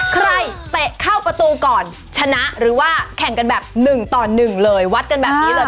เตะเข้าประตูก่อนชนะหรือว่าแข่งกันแบบ๑ต่อ๑เลยวัดกันแบบนี้เลย